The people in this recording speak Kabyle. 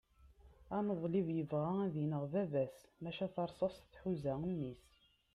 aneḍlib yebɣa ad ineɣ baba-s maca tarsast tḥuz mmi-s